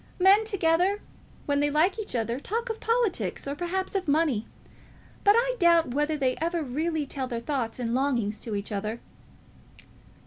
Men together, when they like each other, talk of politics, or perhaps of money; but I doubt whether they ever really tell their thoughts and longings to each other."